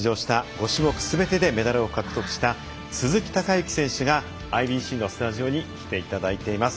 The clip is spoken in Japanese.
５種目すべてでメダルを獲得した鈴木孝幸選手がＩＢＣのスタジオに来ていただいています。